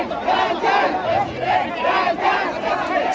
ganjar ganjar ganjar